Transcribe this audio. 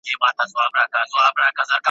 شور وو ګډ په وړو لویو حیوانانو !.